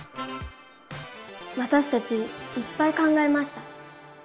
わたしたちいっぱい考えました。